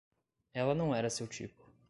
Ela não era seu tipo.